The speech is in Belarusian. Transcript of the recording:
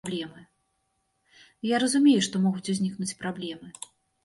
Я разумею, што могуць узнікнуць праблемы.